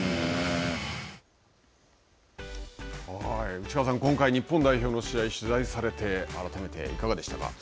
内川さん、今回日本代表の試合を取材されて改めていかがでしたか。